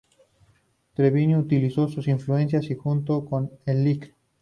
Treviño utilizó sus influencias, y, junto con el lic.